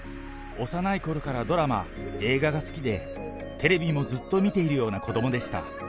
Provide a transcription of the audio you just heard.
幼いころからドラマ、映画が好きで、テレビもずっと見ているような子どもでした。